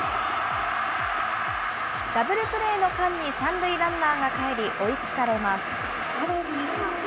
ダブルプレーの間に、３塁ランナーがかえり、追いつかれます。